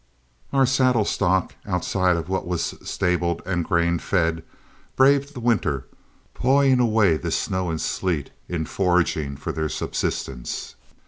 Our saddle stock, outside of what was stabled and grain fed, braved the winter, pawing away the snow and sleet in foraging for their subsistence.